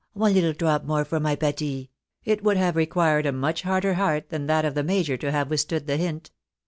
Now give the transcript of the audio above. one httle drop more for my Pati !" it would have required a much harder heart than that of the major to have with stood the hint.